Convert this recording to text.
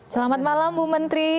selamat malam bu menteri